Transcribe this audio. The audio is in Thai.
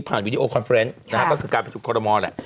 ผ่านวิดีโอคอนเฟรนด์ก็คือการประจุปรมเลย